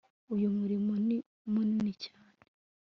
uyu murimo ni munini cyane